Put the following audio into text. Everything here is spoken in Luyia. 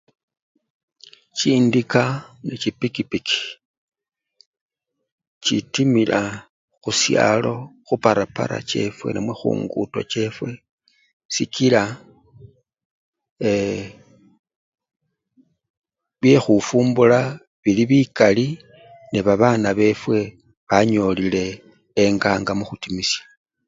Chindika nechipikipiki chitimila khusyalo khuparapara chefwe namwe khungudo chefwe sikila ee! byekhufumbula bili bikali nebabana befwe, banyolile enganga mukhutimisya.